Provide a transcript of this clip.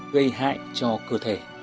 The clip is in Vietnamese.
gây hại cho cơ thể